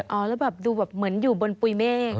อ๋อแล้วแบบดูเหมือนอยู่บนปุ่ยแม่ง